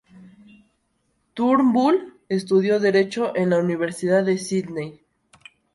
Turnbull estudió derecho en la Universidad de Sídney.